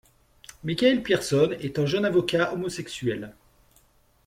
Michael Pierson est un jeune avocat homosexuel.